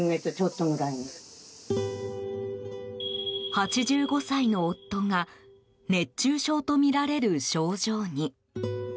８５歳の夫が熱中症とみられる症状に。